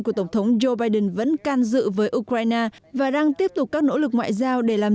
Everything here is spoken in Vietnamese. của tổng thống joe biden vẫn can dự với ukraine và đang tiếp tục các nỗ lực ngoại giao để làm